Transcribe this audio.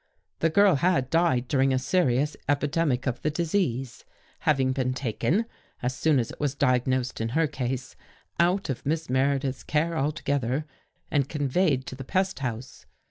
The girl had died during a serious epidemic of the disease, having been taken, as soon as it was diagnosed in her case, out of Miss Meredith's care altogether and conveyed to the pesthouse.